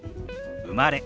「生まれ」。